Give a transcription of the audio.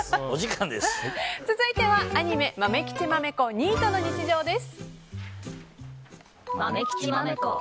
続いてはアニメ「まめきちまめこニートの日常」です。